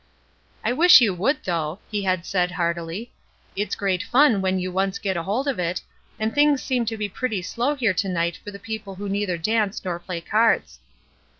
''I wish you would, though," he had said heartily. "It's great fun when you once get hold of it, and things seem to be pretty slow here to night for the people who neither dance nor play cards."